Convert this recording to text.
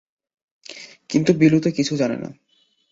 কিন্তু বিলু তো কিছু জানে ন!